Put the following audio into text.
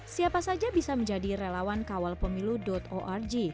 siapa saja bisa menjadi relawan kawalpemilu org